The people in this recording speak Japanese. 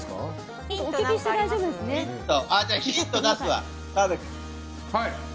じゃあヒント出すわ。